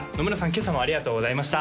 今朝もありがとうございました